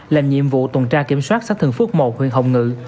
làm nhiệm vụ tuần tra kiểm soát xã thường phước một huyện hồng ngự